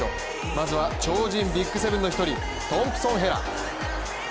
まずは超人ビッグセブンの１人トンプソン・ヘラ。